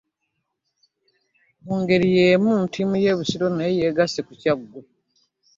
Mu ngeri y'emu ttiimu ya Busiro nayo yeegasse ku Kyaggwe